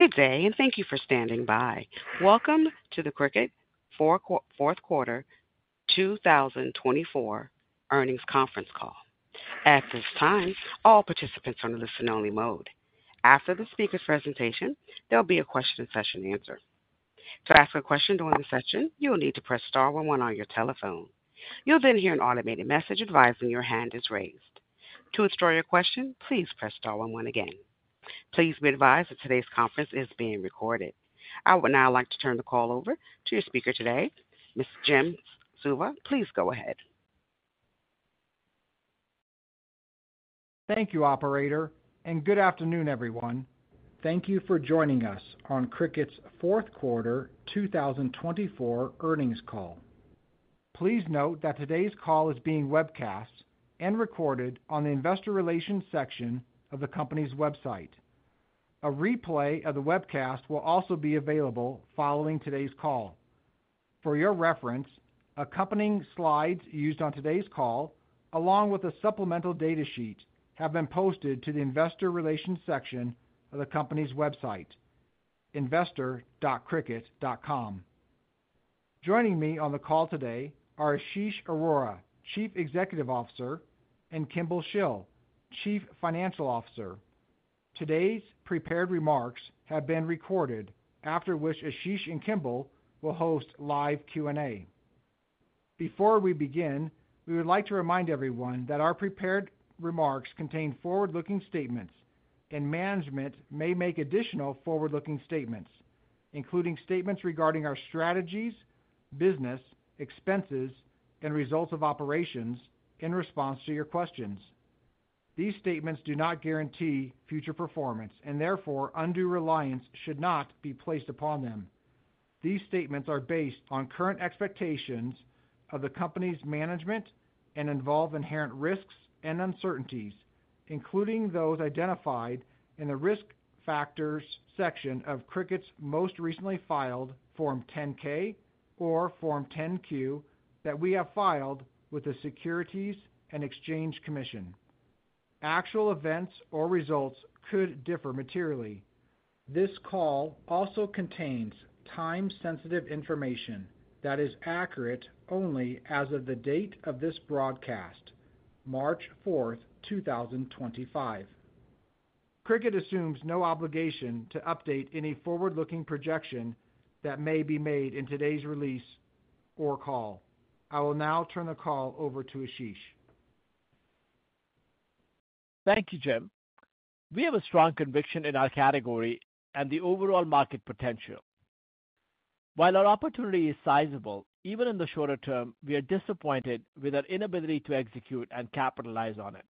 Good day, and thank you for standing by. Welcome to the Cricut Fourth Quarter 2024 earnings conference call. At this time, all participants are in listen-only mode. After the speaker's presentation, there will be a question and answer session. To ask a question during the session, you will need to press star 11 on your telephone. You will then hear an automated message advising your hand is raised. To withdraw your question, please press star 11 again. Please be advised that today's conference is being recorded. I would now like to turn the call over to your speaker today, Jim Suva. Please go ahead. Thank you, Operator, and good afternoon, everyone. Thank you for joining us on Cricut's fourth quarter 2024 earnings call. Please note that today's call is being webcast and recorded on the investor relations section of the company's website. A replay of the webcast will also be available following today's call. For your reference, accompanying slides used on today's call, along with a supplemental data sheet, have been posted to the investor relations section of the company's website, investor.cricut.com. Joining me on the call today are Ashish Arora, Chief Executive Officer, and Kimball Shill, Chief Financial Officer. Today's prepared remarks have been recorded, after which Ashish and Kimball will host live Q&A. Before we begin, we would like to remind everyone that our prepared remarks contain forward-looking statements, and management may make additional forward-looking statements, including statements regarding our strategies, business, expenses, and results of operations in response to your questions. These statements do not guarantee future performance, and therefore, undue reliance should not be placed upon them. These statements are based on current expectations of the company's management and involve inherent risks and uncertainties, including those identified in the risk factors section of Cricut's most recently filed Form 10-K or Form 10-Q that we have filed with the Securities and Exchange Commission. Actual events or results could differ materially. This call also contains time-sensitive information that is accurate only as of the date of this broadcast, March 4th, 2025. Cricut assumes no obligation to update any forward-looking projection that may be made in today's release or call. I will now turn the call over to Ashish. Thank you, Jim. We have a strong conviction in our category and the overall market potential. While our opportunity is sizable, even in the shorter term, we are disappointed with our inability to execute and capitalize on it.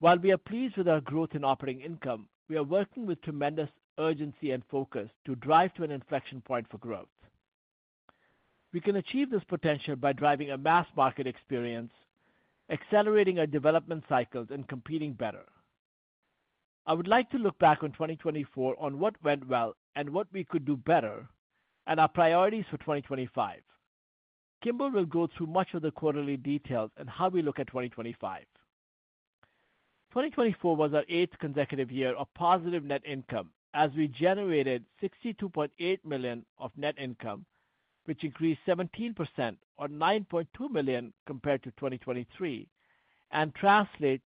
While we are pleased with our growth in operating income, we are working with tremendous urgency and focus to drive to an inflection point for growth. We can achieve this potential by driving a mass market experience, accelerating our development cycles, and competing better. I would like to look back on 2024 on what went well and what we could do better and our priorities for 2025. Kimball will go through much of the quarterly details and how we look at 2025. 2024 was our eighth consecutive year of positive net income as we generated $62.8 million of net income, which increased 17% or $9.2 million compared to 2023, and translates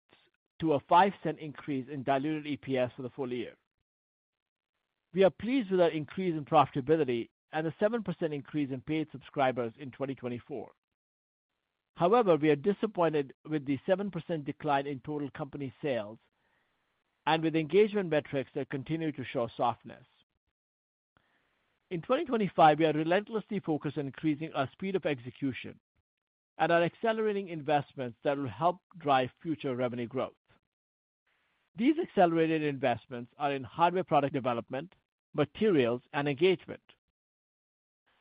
to a 5% increase in diluted EPS for the full year. We are pleased with our increase in profitability and the 7% increase in paid subscribers in 2024. However, we are disappointed with the 7% decline in total company sales and with engagement metrics that continue to show softness. In 2025, we are relentlessly focused on increasing our speed of execution and our accelerating investments that will help drive future revenue growth. These accelerated investments are in hardware product development, materials, and engagement.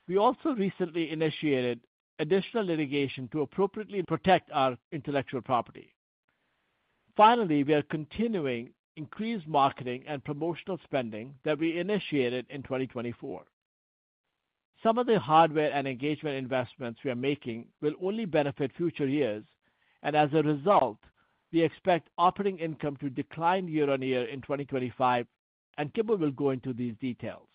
We also recently initiated additional litigation to appropriately protect our intellectual property. Finally, we are continuing increased marketing and promotional spending that we initiated in 2024. Some of the hardware and engagement investments we are making will only benefit future years, and as a result, we expect operating income to decline year on year in 2025, and Kimball will go into these details.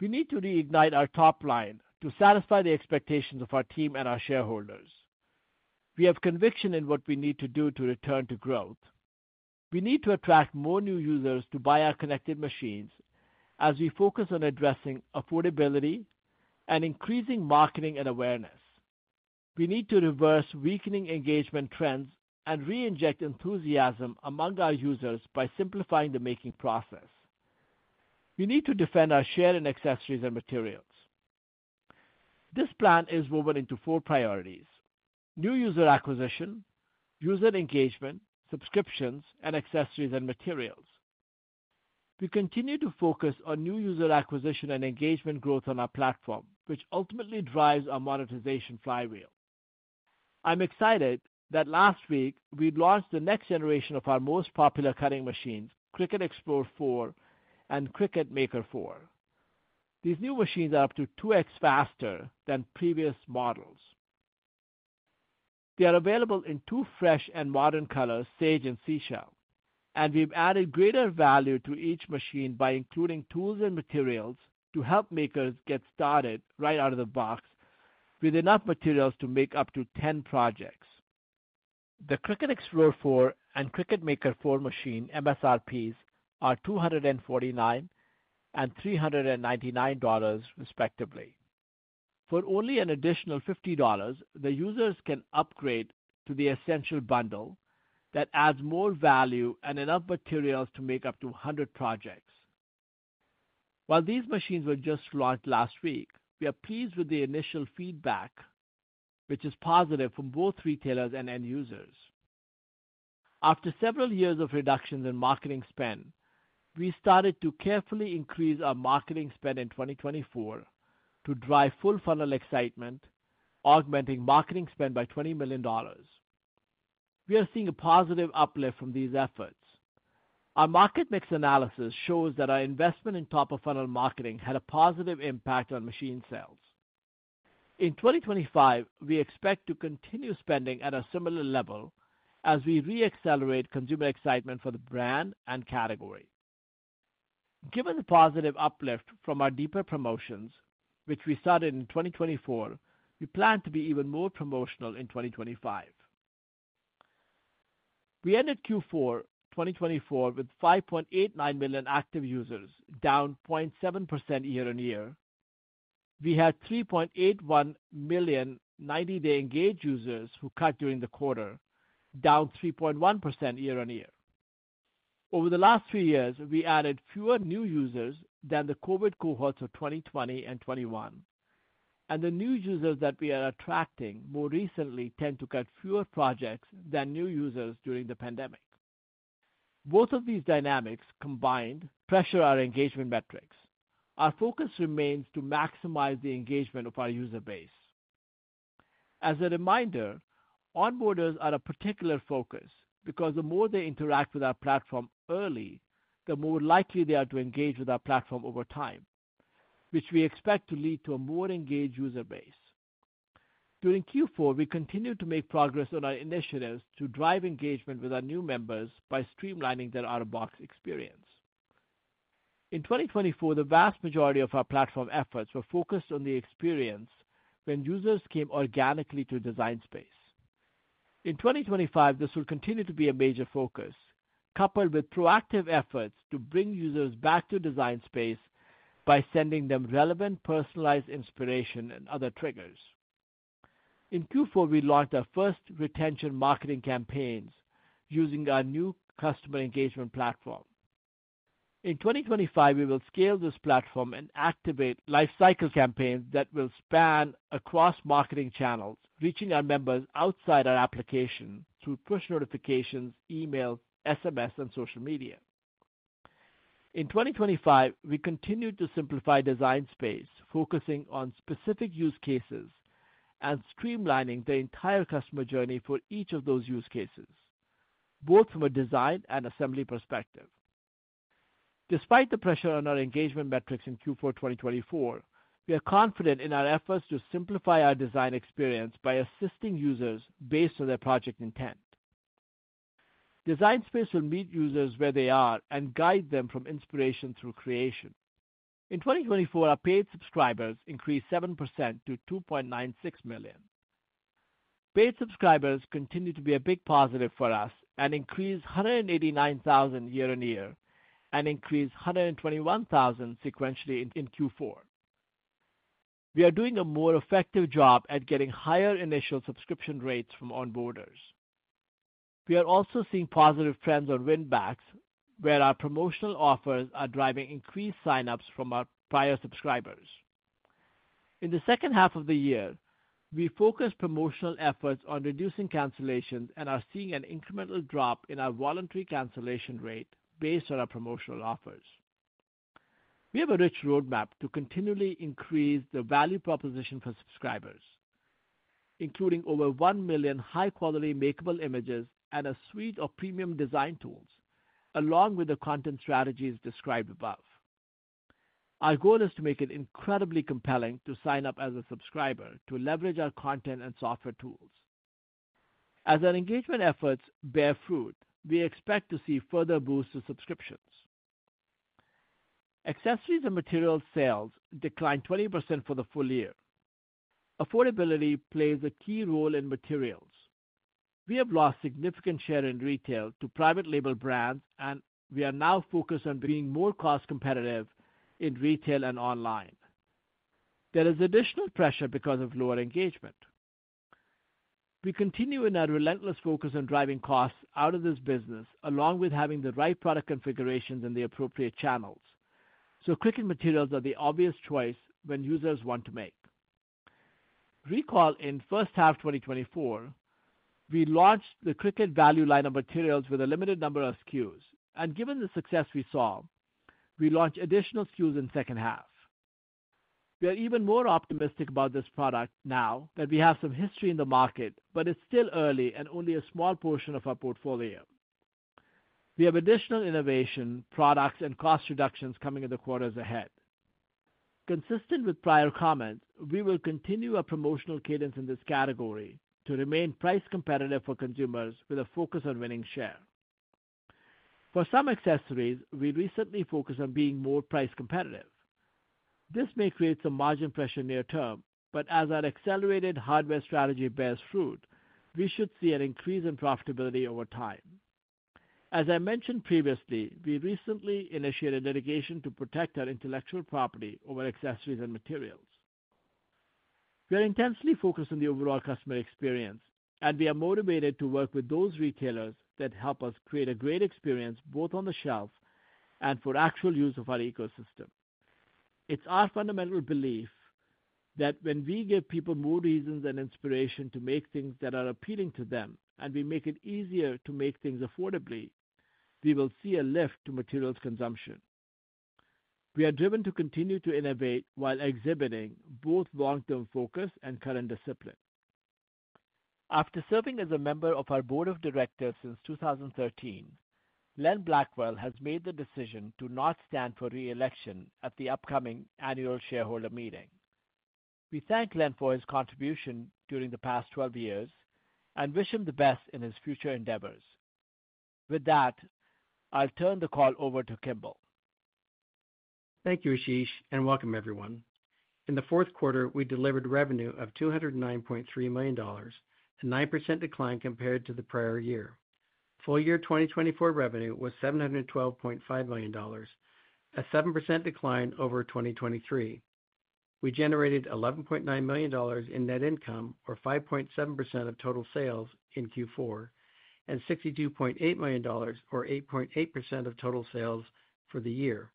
We need to reignite our top line to satisfy the expectations of our team and our shareholders. We have conviction in what we need to do to return to growth. We need to attract more new users to buy our connected machines as we focus on addressing affordability and increasing marketing and awareness. We need to reverse weakening engagement trends and reinject enthusiasm among our users by simplifying the making process. We need to defend our share in accessories and materials. This plan is woven into four priorities: new user acquisition, user engagement, subscriptions, and accessories and materials. We continue to focus on new user acquisition and engagement growth on our platform, which ultimately drives our monetization flywheel. I'm excited that last week we launched the next generation of our most popular cutting machines, Cricut Explore 4 and Cricut Maker 4. These new machines are up to 2x faster than previous models. They are available in two fresh and modern colors, Sage and Seashell, and we've added greater value to each machine by including tools and materials to help makers get started right out of the box with enough materials to make up to 10 projects. The Cricut Explore 4 and Cricut Maker 4 machine MSRPs are $249 and $399 respectively. For only an additional $50, the users can upgrade to the Essential bundle that adds more value and enough materials to make up to 100 projects. While these machines were just launched last week, we are pleased with the initial feedback, which is positive from both retailers and end users. After several years of reductions in marketing spend, we started to carefully increase our marketing spend in 2024 to drive full funnel excitement, augmenting marketing spend by $20 million. We are seeing a positive uplift from these efforts. Our market mix analysis shows that our investment in top-of-funnel marketing had a positive impact on machine sales. In 2025, we expect to continue spending at a similar level as we re-accelerate consumer excitement for the brand and category. Given the positive uplift from our deeper promotions, which we started in 2024, we plan to be even more promotional in 2025. We ended Q4 2024 with 5.89 million active users, down 0.7% year on year. We had 3.81 million 90-day engaged users who cut during the quarter, down 3.1% year on year. Over the last three years, we added fewer new users than the COVID cohorts of 2020 and 2021, and the new users that we are attracting more recently tend to cut fewer projects than new users during the pandemic. Both of these dynamics combined pressure our engagement metrics. Our focus remains to maximize the engagement of our user base. As a reminder, onboarders are a particular focus because the more they interact with our platform early, the more likely they are to engage with our platform over time, which we expect to lead to a more engaged user base. During Q4, we continue to make progress on our initiatives to drive engagement with our new members by streamlining their out-of-box experience. In 2024, the vast majority of our platform efforts were focused on the experience when users came organically to Design Space. In 2025, this will continue to be a major focus, coupled with proactive efforts to bring users back to Design Space by sending them relevant personalized inspiration and other triggers. In Q4, we launched our first retention marketing campaigns using our new customer engagement platform. In 2025, we will scale this platform and activate lifecycle campaigns that will span across marketing channels, reaching our members outside our application through push notifications, email, SMS, and social media. In 2025, we continue to simplify Design Space, focusing on specific use cases and streamlining the entire customer journey for each of those use cases, both from a design and assembly perspective. Despite the pressure on our engagement metrics in Q4 2024, we are confident in our efforts to simplify our design experience by assisting users based on their project intent. Design Space will meet users where they are and guide them from inspiration through creation. In 2024, our paid subscribers increased 7% to 2.96 million. Paid subscribers continue to be a big positive for us and increased 189,000 year on year and increased 121,000 sequentially in Q4. We are doing a more effective job at getting higher initial subscription rates from onboarders. We are also seeing positive trends on win-backs, where our promotional offers are driving increased sign-ups from our prior subscribers. In the second half of the year, we focused promotional efforts on reducing cancellations and are seeing an incremental drop in our voluntary cancellation rate based on our promotional offers. We have a rich roadmap to continually increase the value proposition for subscribers, including over 1 million high-quality makeable images and a suite of premium design tools, along with the content strategies described above. Our goal is to make it incredibly compelling to sign up as a subscriber to leverage our content and software tools. As our engagement efforts bear fruit, we expect to see further boosts to subscriptions. Accessories and materials sales declined 20% for the full year. Affordability plays a key role in materials. We have lost significant share in retail to private label brands, and we are now focused on being more cost-competitive in retail and online. There is additional pressure because of lower engagement. We continue in our relentless focus on driving costs out of this business, along with having the right product configurations and the appropriate channels. Cricut materials are the obvious choice when users want to make. Recall in first half 2024, we launched the Cricut Value Line of Materials with a limited number of SKUs. Given the success we saw, we launched additional SKUs in the second half. We are even more optimistic about this product now that we have some history in the market, but it is still early and only a small portion of our portfolio. We have additional innovation products and cost reductions coming in the quarters ahead. Consistent with prior comments, we will continue our promotional cadence in this category to remain price competitive for consumers with a focus on winning share. For some accessories, we recently focused on being more price competitive. This may create some margin pressure near term, but as our accelerated hardware strategy bears fruit, we should see an increase in profitability over time. As I mentioned previously, we recently initiated litigation to protect our intellectual property over accessories and materials. We are intensely focused on the overall customer experience, and we are motivated to work with those retailers that help us create a great experience both on the shelf and for actual use of our ecosystem. It's our fundamental belief that when we give people more reasons and inspiration to make things that are appealing to them and we make it easier to make things affordably, we will see a lift to materials consumption. We are driven to continue to innovate while exhibiting both long-term focus and current discipline. After serving as a member of our Board of Directors since 2013, Len Blackwell has made the decision to not stand for reelection at the upcoming annual shareholder meeting. We thank Len for his contribution during the past 12 years and wish him the best in his future endeavors. With that, I'll turn the call over to Kimball. Thank you, Ashish, and welcome everyone. In the fourth quarter, we delivered revenue of $209.3 million, a 9% decline compared to the prior year. Full year 2024 revenue was $712.5 million, a 7% decline over 2023. We generated $11.9 million in net income, or 5.7% of total sales in Q4, and $62.8 million, or 8.8% of total sales for the year.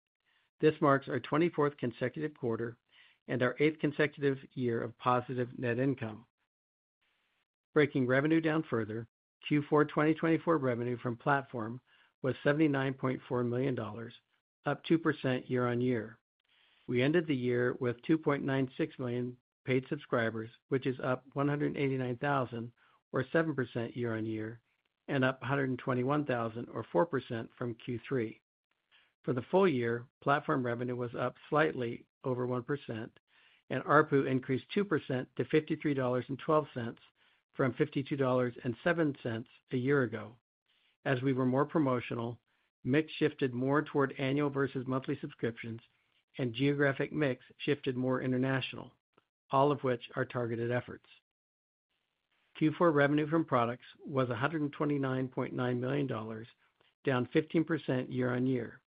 This marks our 24th consecutive quarter and our eighth consecutive year of positive net income. Breaking revenue down further, Q4 2024 revenue from platform was $79.4 million, up 2% year on year. We ended the year with 2.96 million paid subscribers, which is up 189,000, or 7% year on year, and up 121,000, or 4% from Q3. For the full year, platform revenue was up slightly over 1%, and ARPU increased 2% to $53.12 from $52.07 a year ago. As we were more promotional, mix shifted more toward annual versus monthly subscriptions, and geographic mix shifted more international, all of which are targeted efforts. Q4 revenue from products was $129.9 million, down 15% year on year.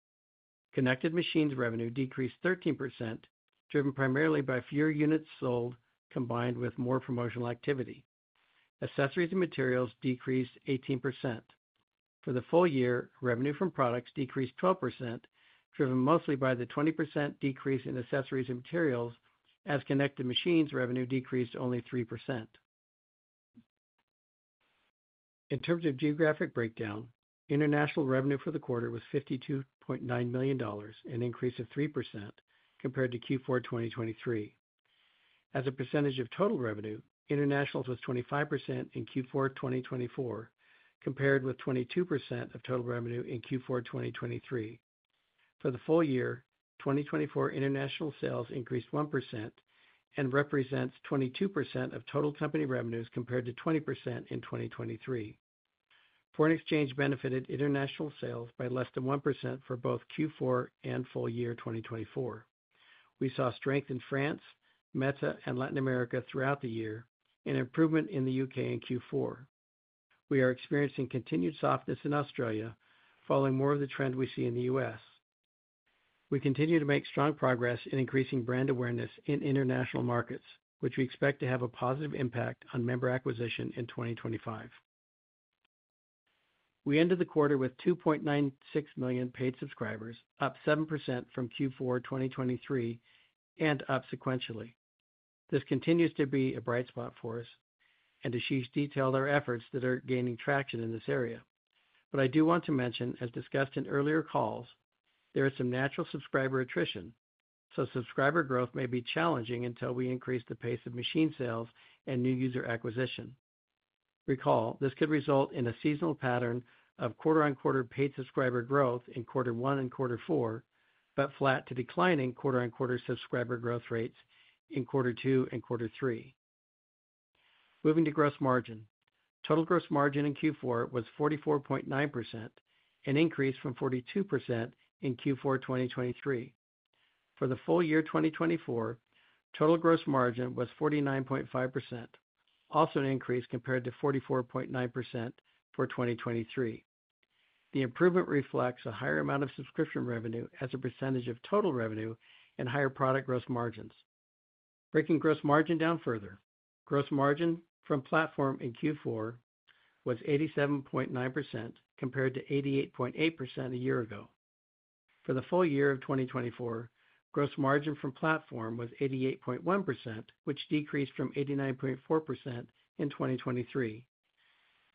Connected machines revenue decreased 13%, driven primarily by fewer units sold combined with more promotional activity. Accessories and materials decreased 18%. For the full year, revenue from products decreased 12%, driven mostly by the 20% decrease in accessories and materials, as connected machines revenue decreased only 3%. In terms of geographic breakdown, international revenue for the quarter was $52.9 million, an increase of 3% compared to Q4 2023. As a percentage of total revenue, international was 25% in Q4 2024, compared with 22% of total revenue in Q4 2023. For the full year, 2024 international sales increased 1% and represents 22% of total company revenues compared to 20% in 2023. Foreign exchange benefited international sales by less than 1% for both Q4 and full year 2024. We saw strength in France, META, and Latin America throughout the year, and improvement in the U.K. in Q4. We are experiencing continued softness in Australia following more of the trend we see in the U.S. We continue to make strong progress in increasing brand awareness in international markets, which we expect to have a positive impact on member acquisition in 2025. We ended the quarter with 2.96 million paid subscribers, up 7% from Q4 2023 and up sequentially. This continues to be a bright spot for us, and Ashish detailed our efforts that are gaining traction in this area. I do want to mention, as discussed in earlier calls, there is some natural subscriber attrition, so subscriber growth may be challenging until we increase the pace of machine sales and new user acquisition. Recall, this could result in a seasonal pattern of quarter-on-quarter paid subscriber growth in quarter one and quarter four, but flat to declining quarter-on-quarter subscriber growth rates in quarter two and quarter three. Moving to gross margin. Total gross margin in Q4 was 44.9%, an increase from 42% in Q4 2023. For the full year 2024, total gross margin was 49.5%, also an increase compared to 44.9% for 2023. The improvement reflects a higher amount of subscription revenue as a percentage of total revenue and higher product gross margins. Breaking gross margin down further, gross margin from platform in Q4 was 87.9% compared to 88.8% a year ago. For the full year of 2024, gross margin from platform was 88.1%, which decreased from 89.4% in 2023.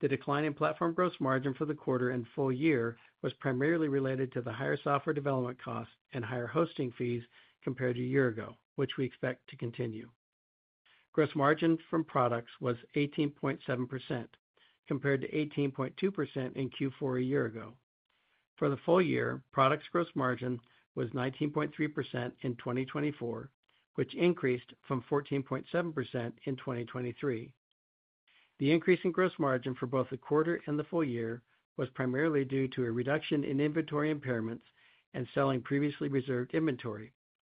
The decline in platform gross margin for the quarter and full year was primarily related to the higher software development costs and higher hosting fees compared to a year ago, which we expect to continue. Gross margin from products was 18.7% compared to 18.2% in Q4 a year ago. For the full year, products gross margin was 19.3% in 2024, which increased from 14.7% in 2023. The increase in gross margin for both the quarter and the full year was primarily due to a reduction in inventory impairments and selling previously reserved inventory,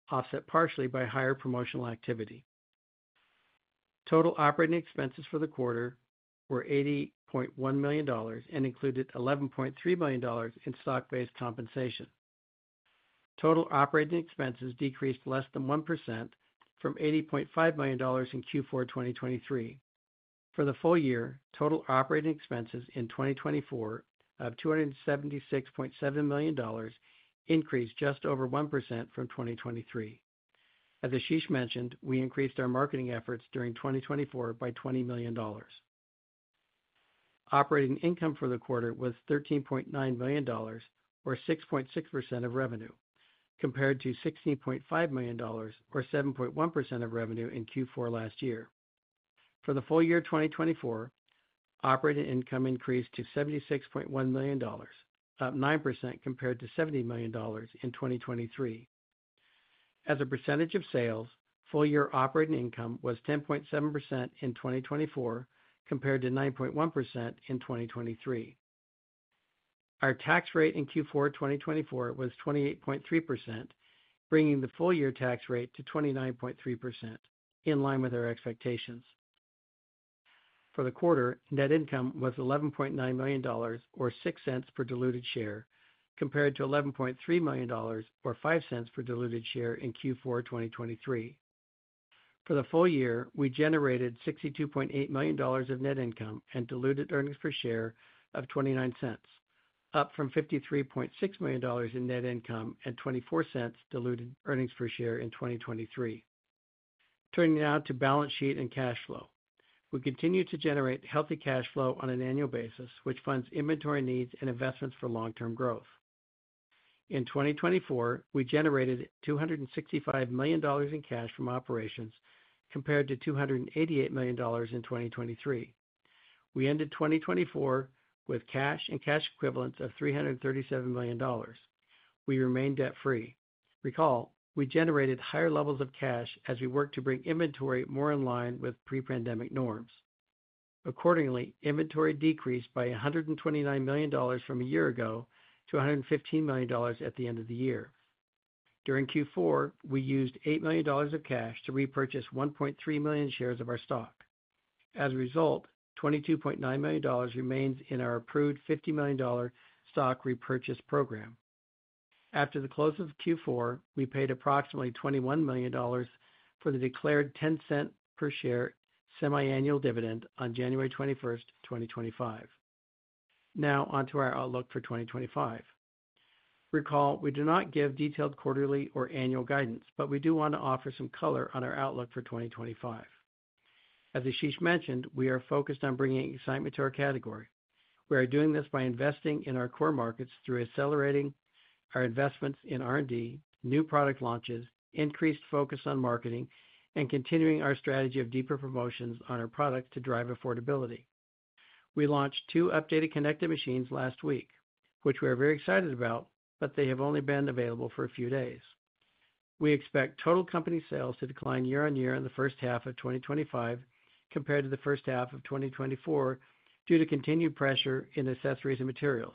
offset partially by higher promotional activity. Total operating expenses for the quarter were $80.1 million and included $11.3 million in stock-based compensation. Total operating expenses decreased less than 1% from $80.5 million in Q4 2023. For the full year, total operating expenses in 2024 of $276.7 million increased just over 1% from 2023. As Ashish mentioned, we increased our marketing efforts during 2024 by $20 million. Operating income for the quarter was $13.9 million, or 6.6% of revenue, compared to $16.5 million, or 7.1% of revenue in Q4 last year. For the full year 2024, operating income increased to $76.1 million, up 9% compared to $70 million in 2023. As a percentage of sales, full year operating income was 10.7% in 2024 compared to 9.1% in 2023. Our tax rate in Q4 2024 was 28.3%, bringing the full year tax rate to 29.3%, in line with our expectations. For the quarter, net income was $11.9 million, or $0.06 per diluted share, compared to $11.3 million, or $0.05 per diluted share in Q4 2023. For the full year, we generated $62.8 million of net income and diluted earnings per share of $0.29, up from $53.6 million in net income and $0.24 diluted earnings per share in 2023. Turning now to balance sheet and cash flow. We continue to generate healthy cash flow on an annual basis, which funds inventory needs and investments for long-term growth. In 2024, we generated $265 million in cash from operations compared to $288 million in 2023. We ended 2024 with cash and cash equivalents of $337 million. We remain debt-free. Recall, we generated higher levels of cash as we worked to bring inventory more in line with pre-pandemic norms. Accordingly, inventory decreased by $129 million from a year ago to $115 million at the end of the year. During Q4, we used $8 million of cash to repurchase 1.3 million shares of our stock. As a result, $22.9 million remains in our approved $50 million stock repurchase program. After the close of Q4, we paid approximately $21 million for the declared $0.10 per share semi-annual dividend on January 21, 2025. Now onto our outlook for 2025. Recall, we do not give detailed quarterly or annual guidance, but we do want to offer some color on our outlook for 2025. As Ashish mentioned, we are focused on bringing excitement to our category. We are doing this by investing in our core markets through accelerating our investments in R&D, new product launches, increased focus on marketing, and continuing our strategy of deeper promotions on our products to drive affordability. We launched two updated connected machines last week, which we are very excited about, but they have only been available for a few days. We expect total company sales to decline year on year in the first half of 2025 compared to the first half of 2024 due to continued pressure in accessories and materials.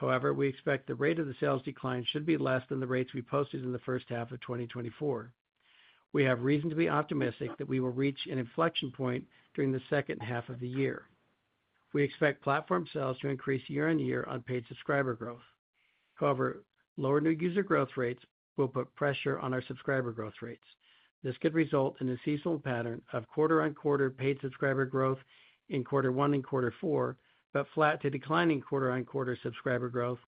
However, we expect the rate of the sales decline should be less than the rates we posted in the first half of 2024. We have reason to be optimistic that we will reach an inflection point during the second half of the year. We expect platform sales to increase year on year on paid subscriber growth. However, lower new user growth rates will put pressure on our subscriber growth rates. This could result in a seasonal pattern of quarter-on-quarter paid subscriber growth in quarter one and quarter four, but flat to declining quarter-on-quarter subscriber growth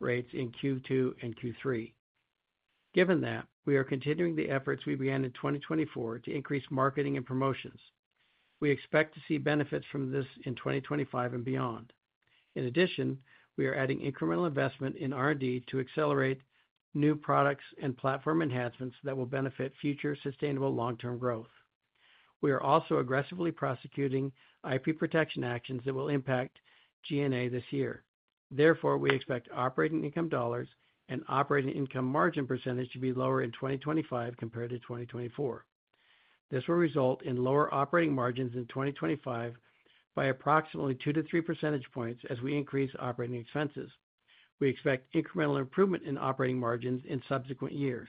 rates in Q2 and Q3. Given that, we are continuing the efforts we began in 2024 to increase marketing and promotions. We expect to see benefits from this in 2025 and beyond. In addition, we are adding incremental investment in R&D to accelerate new products and platform enhancements that will benefit future sustainable long-term growth. We are also aggressively prosecuting IP protection actions that will impact G&A this year. Therefore, we expect operating income dollars and operating income margin percentage to be lower in 2025 compared to 2024. This will result in lower operating margins in 2025 by approximately 2-3 percentage points as we increase operating expenses. We expect incremental improvement in operating margins in subsequent years.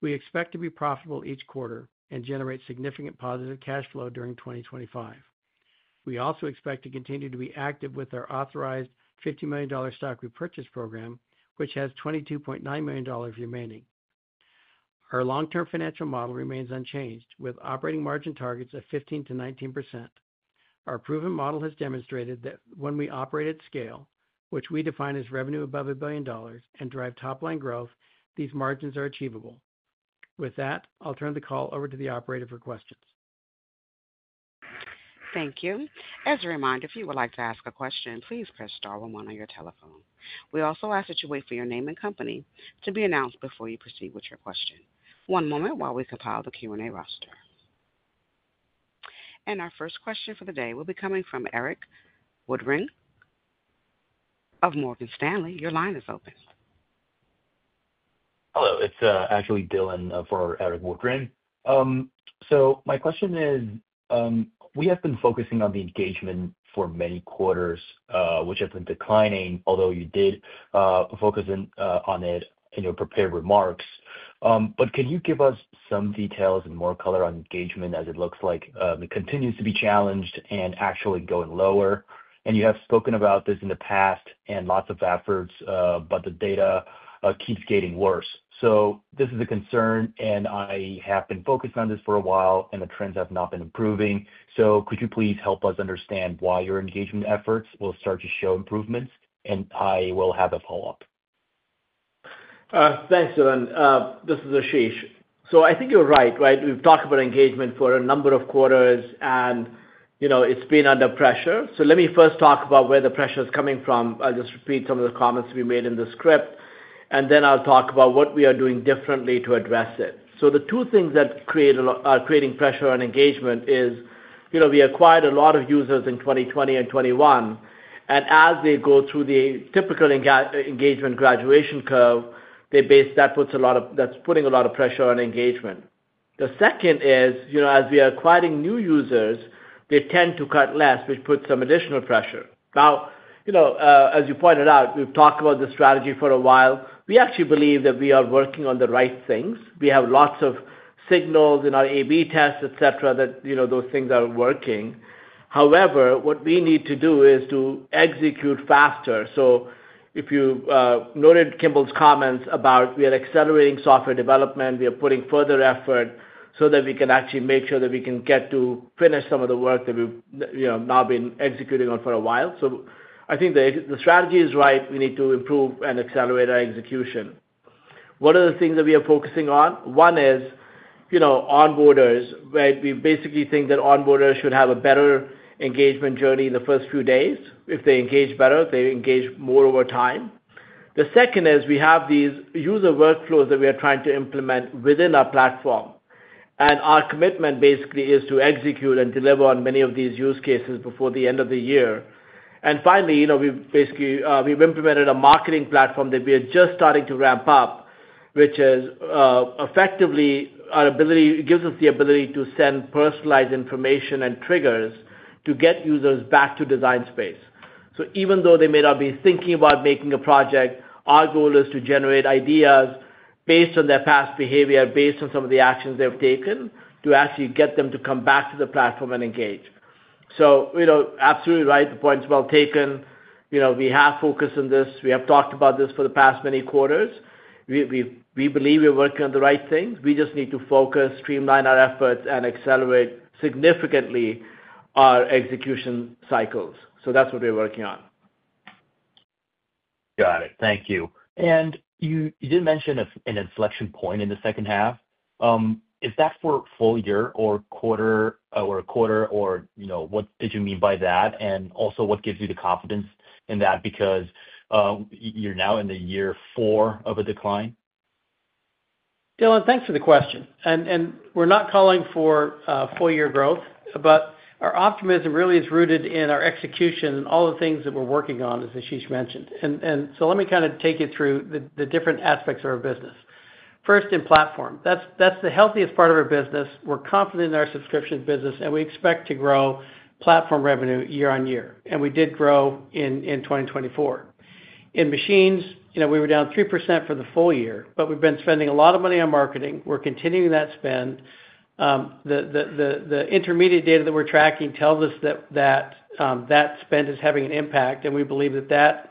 We expect to be profitable each quarter and generate significant positive cash flow during 2025. We also expect to continue to be active with our authorized $50 million stock repurchase program, which has $22.9 million remaining. Our long-term financial model remains unchanged, with operating margin targets of 15%-19%. Our proven model has demonstrated that when we operate at scale, which we define as revenue above a billion dollars and drive top-line growth, these margins are achievable. With that, I'll turn the call over to the operator for questions. Thank you. As a reminder, if you would like to ask a question, please press star 11 on your telephone. We also ask that you wait for your name and company to be announced before you proceed with your question. One moment while we compile the Q&A roster. Our first question for the day will be coming from Eric Woodring of Morgan Stanley. Your line is open. Hello, it's Ashley Dillon for Eric Woodring. My question is, we have been focusing on the engagement for many quarters, which has been declining, although you did focus on it in your prepared remarks. Can you give us some details and more color on engagement as it looks like it continues to be challenged and actually going lower? You have spoken about this in the past and lots of efforts, but the data keeps getting worse. This is a concern, and I have been focused on this for a while, and the trends have not been improving. Could you please help us understand why your engagement efforts will start to show improvements? I will have a follow-up. Thanks, Dillon. This is Ashish. I think you're right, right? We've talked about engagement for a number of quarters, and it's been under pressure. Let me first talk about where the pressure is coming from. I'll just repeat some of the comments we made in the script, and then I'll talk about what we are doing differently to address it. The two things that are creating pressure on engagement is we acquired a lot of users in 2020 and 2021, and as they go through the typical engagement graduation curve, that puts a lot of—that's putting a lot of pressure on engagement. The second is, as we are acquiring new users, they tend to cut less, which puts some additional pressure. Now, as you pointed out, we've talked about the strategy for a while. We actually believe that we are working on the right things. We have lots of signals in our A/B tests, etc., that those things are working. However, what we need to do is to execute faster. If you noted Kimball's comments about we are accelerating software development, we are putting further effort so that we can actually make sure that we can get to finish some of the work that we've now been executing on for a while. I think the strategy is right. We need to improve and accelerate our execution. What are the things that we are focusing on? One is onboarders, right? We basically think that onboarders should have a better engagement journey in the first few days. If they engage better, they engage more over time. The second is we have these user workflows that we are trying to implement within our platform. Our commitment basically is to execute and deliver on many of these use cases before the end of the year. Finally, we have basically implemented a marketing platform that we are just starting to ramp up, which effectively gives us the ability to send personalized information and triggers to get users back to Design Space. Even though they may not be thinking about making a project, our goal is to generate ideas based on their past behavior, based on some of the actions they have taken, to actually get them to come back to the platform and engage. Absolutely right. The point is well taken. We have focused on this. We have talked about this for the past many quarters. We believe we are working on the right things. We just need to focus, streamline our efforts, and accelerate significantly our execution cycles. That is what we are working on. Got it. Thank you. You did mention an inflection point in the second half. Is that for full year or quarter or a quarter or what did you mean by that? Also, what gives you the confidence in that? Because you're now in the year four of a decline. Dillon, thanks for the question. We're not calling for full year growth, but our optimism really is rooted in our execution and all the things that we're working on, as Ashish mentioned. Let me kind of take you through the different aspects of our business. First, in platform. That's the healthiest part of our business. We're confident in our subscription business, and we expect to grow platform revenue year on year. We did grow in 2024. In machines, we were down 3% for the full year, but we've been spending a lot of money on marketing. We're continuing that spend. The intermediate data that we're tracking tells us that that spend is having an impact, and we believe that that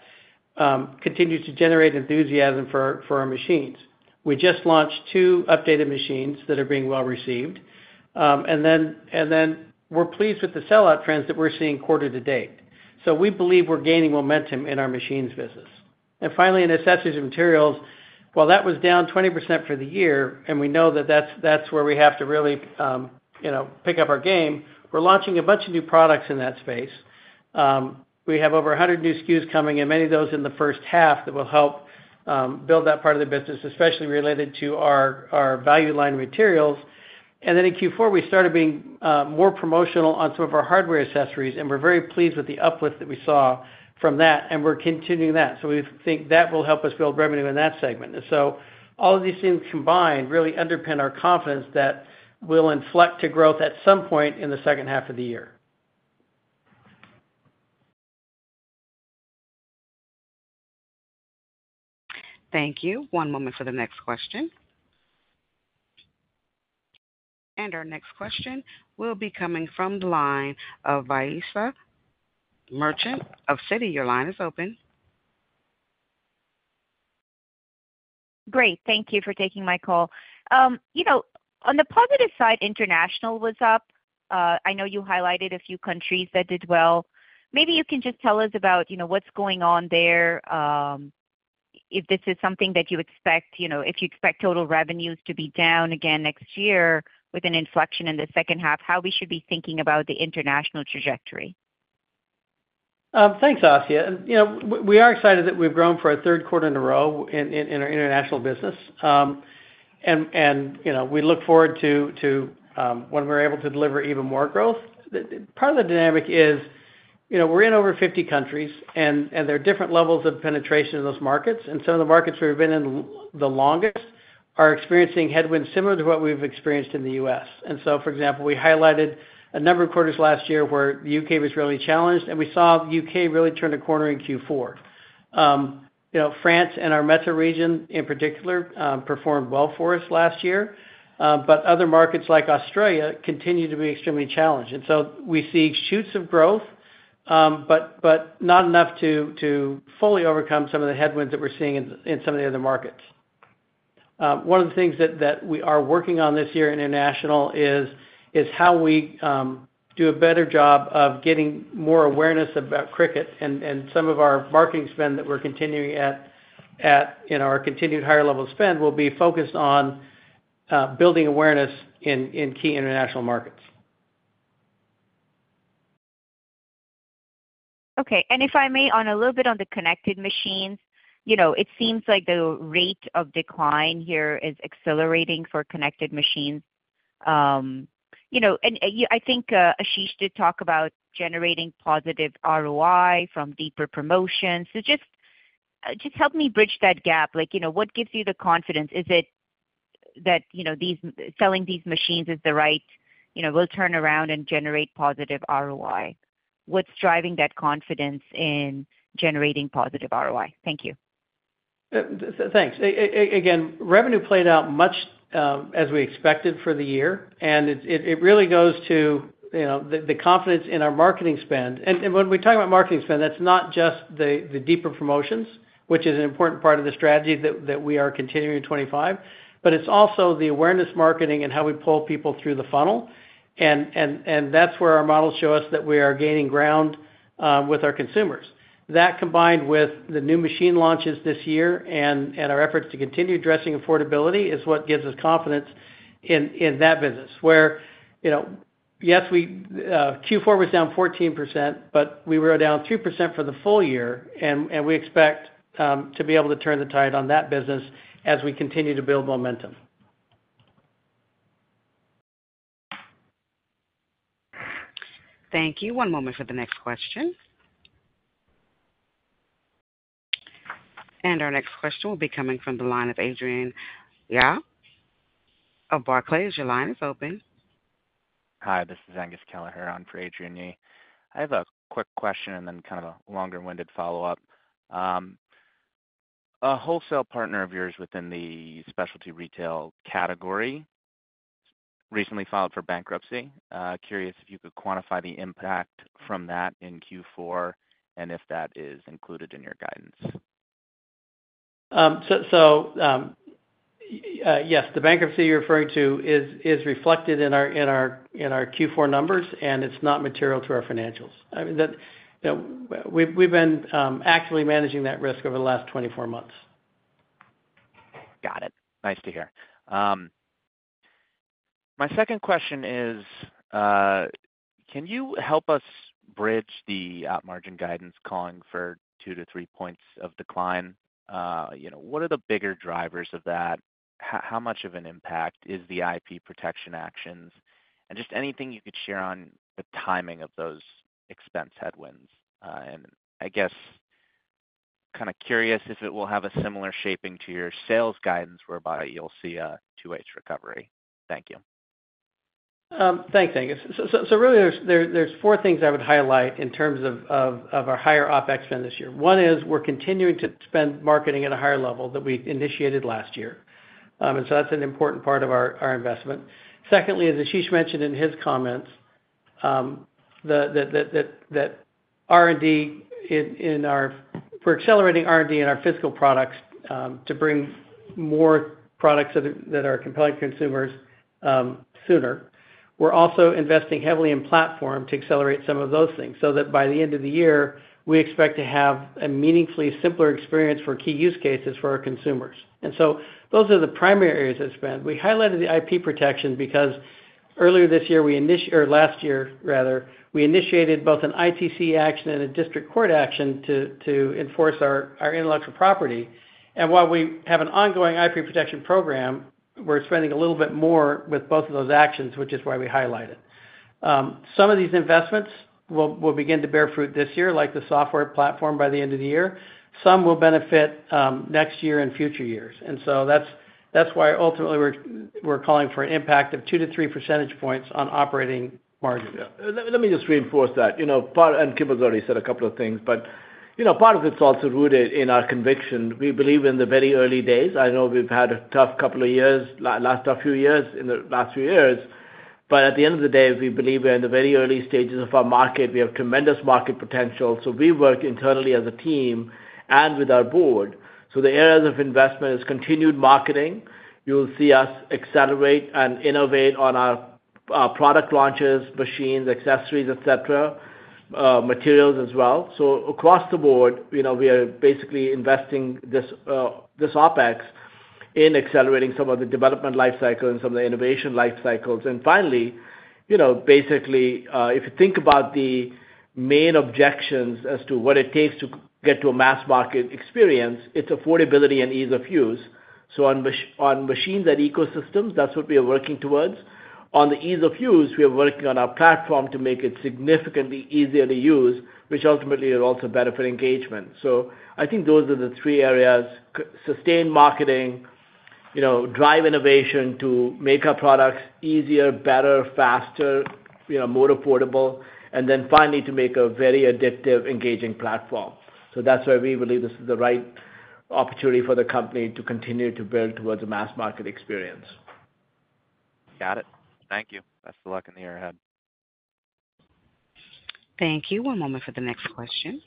continues to generate enthusiasm for our machines. We just launched two updated machines that are being well received. We are pleased with the sellout trends that we're seeing quarter to date. We believe we're gaining momentum in our machines business. Finally, in accessories and materials, while that was down 20% for the year, and we know that that's where we have to really pick up our game, we're launching a bunch of new products in that space. We have over 100 new SKUs coming, and many of those in the first half that will help build that part of the business, especially related to our value line materials. In Q4, we started being more promotional on some of our hardware accessories, and we're very pleased with the uplift that we saw from that, and we're continuing that. We think that will help us build revenue in that segment. All of these things combined really underpin our confidence that we'll inflect to growth at some point in the second half of the year. Thank you. One moment for the next question. Our next question will be coming from the line of Vaisa Merchant of Citigroup. Your line is open. Great. Thank you for taking my call. On the positive side, international was up. I know you highlighted a few countries that did well. Maybe you can just tell us about what's going on there, if this is something that you expect, if you expect total revenues to be down again next year with an inflection in the second half, how we should be thinking about the international trajectory. Thanks, Vaisa. We are excited that we've grown for a third quarter in a row in our international business. We look forward to when we're able to deliver even more growth. Part of the dynamic is we're in over 50 countries, and there are different levels of penetration in those markets. Some of the markets we've been in the longest are experiencing headwinds similar to what we've experienced in the U.S. For example, we highlighted a number of quarters last year where the U.K. was really challenged, and we saw the U.K. really turn a corner in Q4. France and our metro region, in particular, performed well for us last year, but other markets like Australia continue to be extremely challenged. We see shoots of growth, but not enough to fully overcome some of the headwinds that we're seeing in some of the other markets. One of the things that we are working on this year in international is how we do a better job of getting more awareness about Cricut, and some of our marketing spend that we're continuing at in our continued higher-level spend will be focused on building awareness in key international markets. Okay. If I may, on a little bit on the connected machines, it seems like the rate of decline here is accelerating for connected machines. I think Ashish did talk about generating positive ROI from deeper promotions. Just help me bridge that gap. What gives you the confidence? Is it that selling these machines is the right will turn around and generate positive ROI? What's driving that confidence in generating positive ROI? Thank you. Thanks. Again, revenue played out much as we expected for the year, and it really goes to the confidence in our marketing spend. When we talk about marketing spend, that's not just the deeper promotions, which is an important part of the strategy that we are continuing in 2025, but it's also the awareness marketing and how we pull people through the funnel. That's where our models show us that we are gaining ground with our consumers. That combined with the new machine launches this year and our efforts to continue addressing affordability is what gives us confidence in that business. Where, yes, Q4 was down 14%, but we were down 3% for the full year, and we expect to be able to turn the tide on that business as we continue to build momentum. Thank you. One moment for the next question. Our next question will be coming from the line of Adrian Yah of Barclays. Your line is open. Hi, this is Angus Keller here on for Adrian Yah. I have a quick question and then kind of a longer-winded follow-up. A wholesale partner of yours within the specialty retail category recently filed for bankruptcy. Curious if you could quantify the impact from that in Q4 and if that is included in your guidance. Yes, the bankruptcy you're referring to is reflected in our Q4 numbers, and it's not material to our financials. We've been actively managing that risk over the last 24 months. Got it. Nice to hear. My second question is, can you help us bridge the up-margin guidance calling for two to three percentage points of decline? What are the bigger drivers of that? How much of an impact is the IP protection actions? Anything you could share on the timing of those expense headwinds. I guess kind of curious if it will have a similar shaping to your sales guidance whereby you'll see a two-way recovery. Thank you. Thanks, Angus. There are four things I would highlight in terms of our higher OpEx spend this year. One is we're continuing to spend marketing at a higher level that we initiated last year. That's an important part of our investment. Secondly, as Ashish mentioned in his comments, that R&D in our for accelerating R&D in our physical products to bring more products that are compelling to consumers sooner. We're also investing heavily in platform to accelerate some of those things so that by the end of the year, we expect to have a meaningfully simpler experience for key use cases for our consumers. Those are the primary areas of spend. We highlighted the IP protection because earlier this year or last year, rather, we initiated both an ITC action and a district court action to enforce our intellectual property. While we have an ongoing IP protection program, we're spending a little bit more with both of those actions, which is why we highlight it. Some of these investments will begin to bear fruit this year, like the software platform by the end of the year. Some will benefit next year and future years. That's why ultimately we're calling for an impact of two to three percentage points on operating margins. Let me just reinforce that. Kimball's already said a couple of things, but part of it's also rooted in our conviction. We believe in the very early days. I know we've had a tough couple of years, last few years, in the last few years. At the end of the day, we believe we're in the very early stages of our market. We have tremendous market potential. We work internally as a team and with our board. The areas of investment is continued marketing. You'll see us accelerate and innovate on our product launches, machines, accessories, etc., materials as well. Across the board, we are basically investing this OpEx in accelerating some of the development life cycle and some of the innovation life cycles. Finally, basically, if you think about the main objections as to what it takes to get to a mass market experience, it's affordability and ease of use. On machines and ecosystems, that's what we are working towards. On the ease of use, we are working on our platform to make it significantly easier to use, which ultimately are also better for engagement. I think those are the three areas: sustain marketing, drive innovation to make our products easier, better, faster, more affordable, and then finally to make a very addictive, engaging platform. That's why we believe this is the right opportunity for the company to continue to build towards a mass market experience. Got it. Thank you. Best of luck in the year ahead. Thank you. One moment for the next question.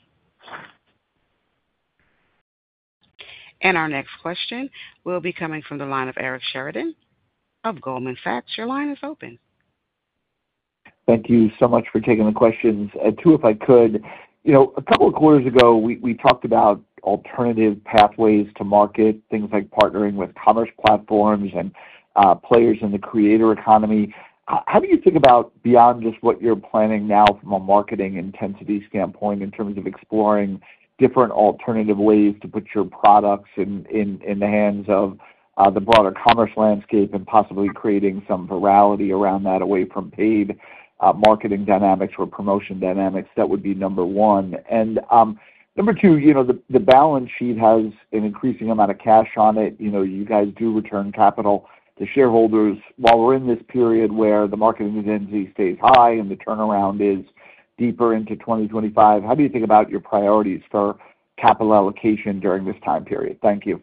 Our next question will be coming from the line of Eric Sheridan of Goldman Sachs. Your line is open. Thank you so much for taking the questions. Two, if I could, a couple of quarters ago, we talked about alternative pathways to market, things like partnering with commerce platforms and players in the creator economy. How do you think about beyond just what you're planning now from a marketing intensity standpoint in terms of exploring different alternative ways to put your products in the hands of the broader commerce landscape and possibly creating some virality around that away from paid marketing dynamics or promotion dynamics? That would be number one. Number two, the balance sheet has an increasing amount of cash on it. You guys do return capital to shareholders while we're in this period where the marketing intensity stays high and the turnaround is deeper into 2025. How do you think about your priorities for capital allocation during this time period? Thank you.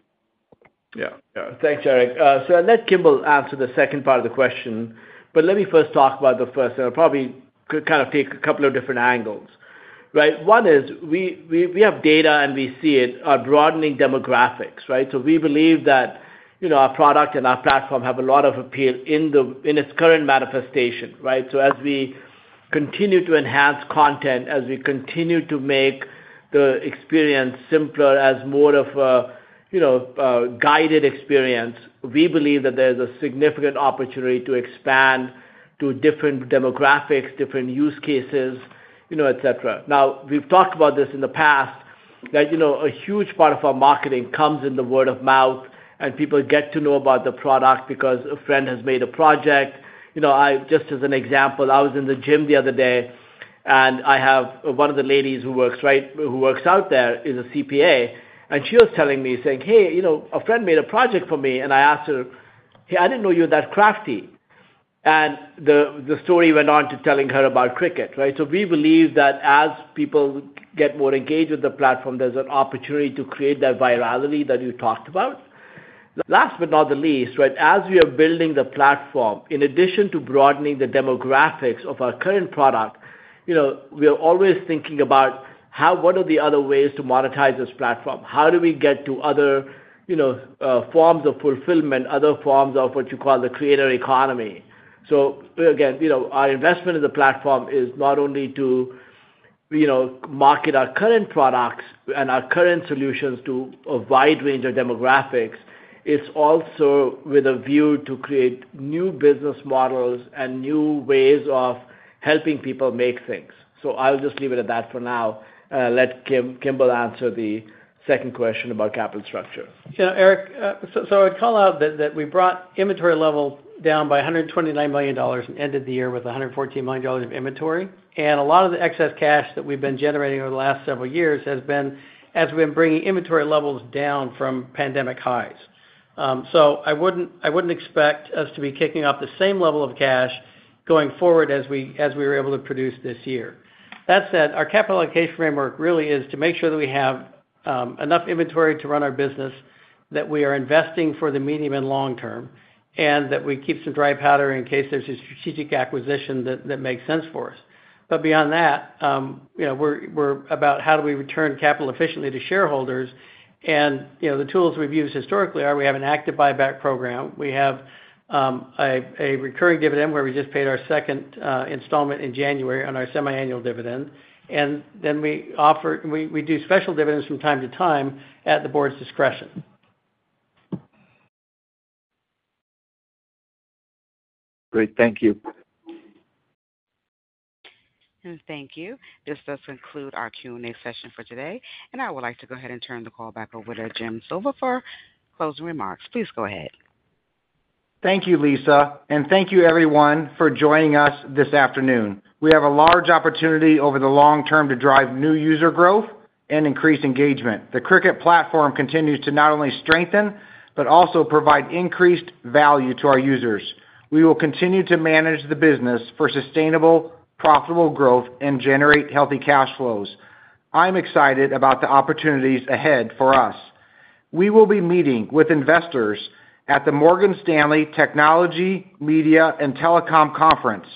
Yeah. Thanks, Eric. I'll let Kimball answer the second part of the question, but let me first talk about the first, and I'll probably kind of take a couple of different angles. One is we have data, and we see it, our broadening demographics, right? We believe that our product and our platform have a lot of appeal in its current manifestation, right? As we continue to enhance content, as we continue to make the experience simpler, as more of a guided experience, we believe that there's a significant opportunity to expand to different demographics, different use cases, etc. Now, we've talked about this in the past, that a huge part of our marketing comes in the word of mouth, and people get to know about the product because a friend has made a project. Just as an example, I was in the gym the other day, and I have one of the ladies who works out there is a CPA, and she was telling me, saying, "Hey, a friend made a project for me," and I asked her, "Hey, I didn't know you were that crafty." The story went on to telling her about Cricut, right? We believe that as people get more engaged with the platform, there's an opportunity to create that virality that you talked about. Last but not the least, right, as we are building the platform, in addition to broadening the demographics of our current product, we are always thinking about what are the other ways to monetize this platform? How do we get to other forms of fulfillment, other forms of what you call the creator economy? Again, our investment in the platform is not only to market our current products and our current solutions to a wide range of demographics. It is also with a view to create new business models and new ways of helping people make things. I will just leave it at that for now. Let Kimball answer the second question about capital structure. Eric, I would call out that we brought inventory levels down by $129 million and ended the year with $114 million of inventory. A lot of the excess cash that we've been generating over the last several years has been as we've been bringing inventory levels down from pandemic highs. I wouldn't expect us to be kicking off the same level of cash going forward as we were able to produce this year. That said, our capital allocation framework really is to make sure that we have enough inventory to run our business, that we are investing for the medium and long term, and that we keep some dry powder in case there's a strategic acquisition that makes sense for us. Beyond that, we're about how do we return capital efficiently to shareholders. The tools we've used historically are we have an active buyback program. We have a recurring dividend where we just paid our second installment in January on our semiannual dividend. We do special dividends from time to time at the board's discretion. Great. Thank you. Thank you. This does conclude our Q&A session for today. I would like to go ahead and turn the call back over to Jim Suva for closing remarks. Please go ahead. Thank you, Lisa. Thank you, everyone, for joining us this afternoon. We have a large opportunity over the long term to drive new user growth and increase engagement. The Cricut platform continues to not only strengthen but also provide increased value to our users. We will continue to manage the business for sustainable, profitable growth and generate healthy cash flows. I'm excited about the opportunities ahead for us. We will be meeting with investors at the Morgan Stanley Technology, Media, and Telecom Conference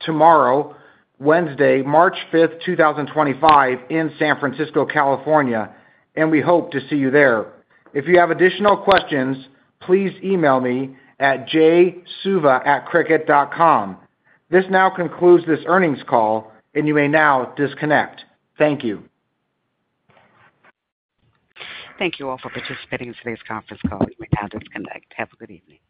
tomorrow, Wednesday, March 5th, 2025, in San Francisco, California, and we hope to see you there. If you have additional questions, please email me at jsuva@cricut.com. This now concludes this earnings call, and you may now disconnect. Thank you. Thank you all for participating in today's conference call. You may now disconnect. Have a good evening.